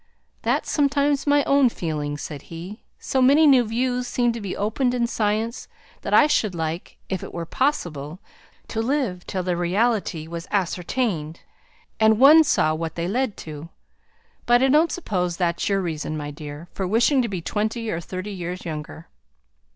"That's sometimes my own feeling," said he. "So many new views seem to be opened in science, that I should like, if it were possible, to live till their reality was ascertained, and one saw what they led to. But I don't suppose that's your reason, my dear, for wishing to be twenty or thirty years younger."